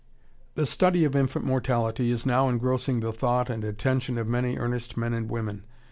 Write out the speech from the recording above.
] The study of Infant Mortality is now engrossing the thought and attention of many earnest men and women.